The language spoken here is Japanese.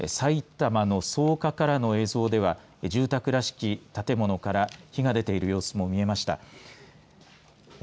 また先ほど埼玉の草加からの映像では住宅らしき建物から火が出ている様子も見えました。